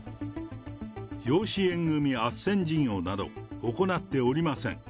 養子縁組あっせん事業など行っておりません。